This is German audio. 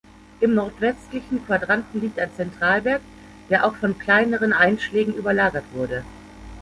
Im nordwestlichen Quadranten liegt ein Zentralberg, der auch von kleineren Einschlägen überlagert wurde.